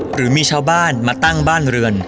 หรือมีชาวบ้านมาตั้งบ้านเรือน